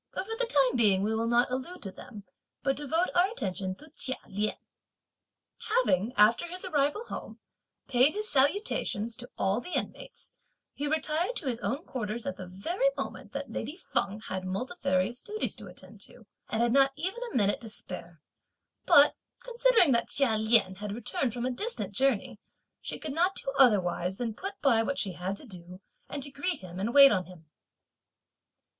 But for the time being we will not allude to them, but devote our attention to Chia Lien. Having, after his arrival home, paid his salutations to all the inmates, he retired to his own quarters at the very moment that lady Feng had multifarious duties to attend to, and had not even a minute to spare; but, considering that Chia Lien had returned from a distant journey, she could not do otherwise than put by what she had to do, and to greet him and wait on him.